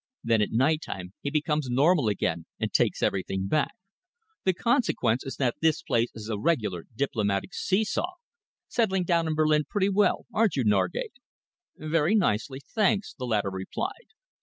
Then at night time he becomes normal again and takes everything back. The consequence is that this place is a regular diplomatic see saw. Settling down in Berlin pretty well, aren't you, Norgate?" "Very nicely, thanks," the latter replied.